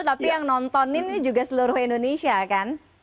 tapi yang nontonin ini juga seluruh indonesia kan